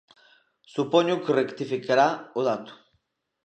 Supoño que rectificará o dato.